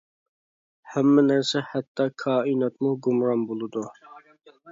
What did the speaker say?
ھەممە نەرسە ھەتتا كائىناتمۇ گۇمران بولىدۇ.